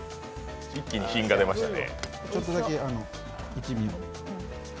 一気に品が出ましたね。